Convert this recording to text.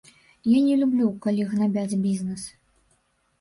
Я не люблю, калі гнабяць бізнэс.